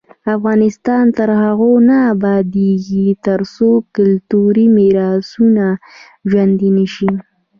افغانستان تر هغو نه ابادیږي، ترڅو کلتوري میراثونه ژوندي نشي.